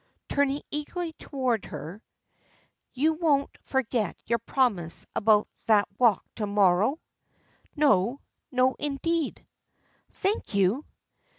turning eagerly toward her, "you won't forget your promise about that walk to morrow?" "No. No, indeed." "Thank you!"